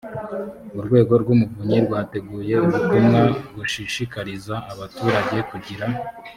urwego rw umuvunyi rwateguye ubutumwa bushishikariza abaturage kugira